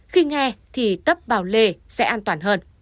khi nghe thì tấp bào lê sẽ an toàn hơn